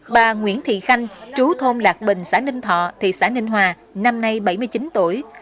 bà nguyễn thị khanh chú thôn lạc bình xã ninh thọ thị xã ninh hòa năm nay bảy mươi chín tuổi